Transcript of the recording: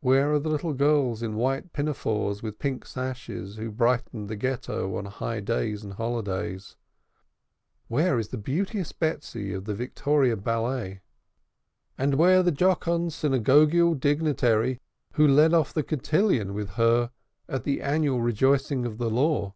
Where are the little girls in white pinafores with pink sashes who brightened the Ghetto on high days and holidays? Where is the beauteous Betsy of the Victoria Ballet? and where the jocund synagogue dignitary who led off the cotillon with her at the annual Rejoicing of the Law?